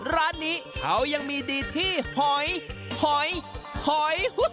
ร้านนี้เขายังมีดีที่หอยหอยหอย